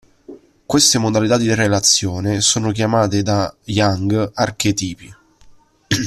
Queste modalità di relazione sono chiamate da Jung "archetipi".